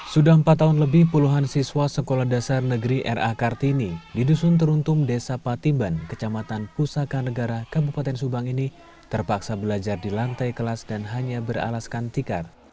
sudah empat tahun lebih puluhan siswa sekolah dasar negeri r a kartini di dusun teruntung desa patimban kecamatan pusaka negara kabupaten subang ini terpaksa belajar di lantai kelas dan hanya beralaskan tikar